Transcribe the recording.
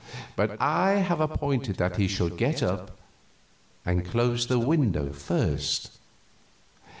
But I have appointed that he shall get up and close the window first.